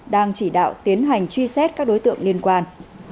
đang chỉ đạo tiến hành truy xét các đối tượng liên quan